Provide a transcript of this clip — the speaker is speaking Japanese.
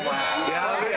やべえ。